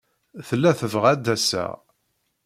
Tella tebɣa ad d-aseɣ.